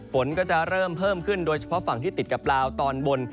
ฝนก็จะเริ่มเพิ่มขึ้นโดยเฉพาะฝั่งที่ติดกับลาวตอนบน